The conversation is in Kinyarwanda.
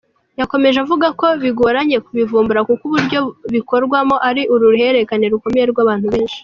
Yakomeje avuga ko bigoranye kubivumbura kuko uburyo bikorwamo ari uruhererekane rukomeye rw’abantu benshi.